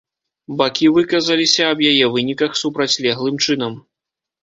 Бакі выказаліся аб яе выніках супрацьлеглым чынам.